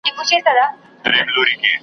چي د «لر او بر یو افغان» .